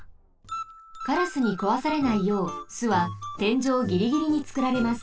カラスにこわされないよう巣はてんじょうぎりぎりにつくられます。